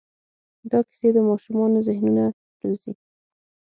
دا کیسې د ماشومانو ذهنونه روزي.